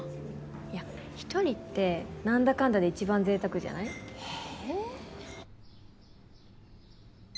いや１人ってなんだかんだで一番贅沢じゃない？え？